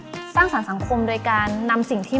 บางทีการเราเอาอารมณ์ของเราไปใส่ในเนื้อเรื่องมากเกินไป